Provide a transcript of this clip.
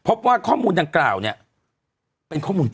เป็นการกระตุ้นการไหลเวียนของเลือด